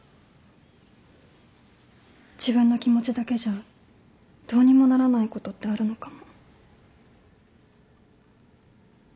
自分の気持ちだけじゃどうにもならないことってあるのかも。